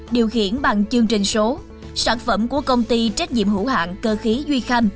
điều khiển bằng chương trình số sản phẩm của công ty trách nhiệm hữu hạng cơ khí duy khanh